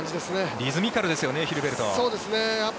リズミカルですよねヒルベルトは。